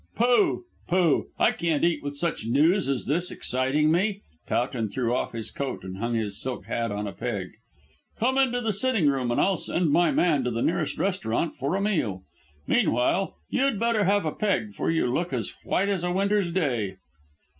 "Pooh! pooh! I can't eat with such news as this exciting me." Towton threw off his coat and hung his silk hat on a peg. "Come into the sitting room and I'll send my man to the nearest restaurant for a meal. Meanwhile you'd better have a peg, for you look as white as a winter's day."